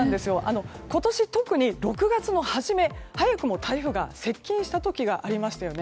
今年特に６月の初め、早くも台風が接近した時がありましたよね。